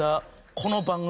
この番組。